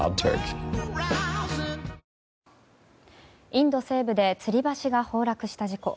インド西部でつり橋が崩落した事故。